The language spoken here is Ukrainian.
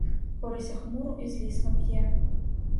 Орися хмуро і злісно п'є.